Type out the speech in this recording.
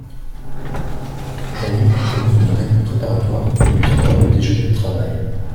Yannig demande une réunion préparatoire et il viendra au déjeuner de travail.